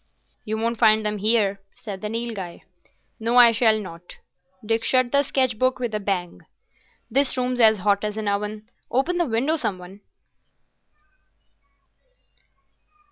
"You won't find them here," said the Nilghai. "No, I shall not." Dick shut the sketch book with a bang. "This room's as hot as an oven. Open the window, some one."